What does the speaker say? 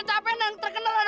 anak penting itu dong garunya